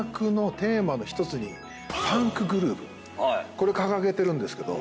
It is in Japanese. これ掲げてるんですけど。